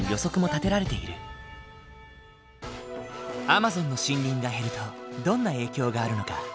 アマゾンの森林が減るとどんな影響があるのか？